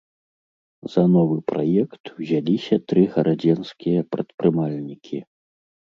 За новы праект узяліся тры гарадзенскія прадпрымальнікі.